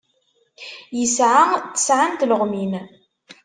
Yesɛa tesɛa n tleɣmin.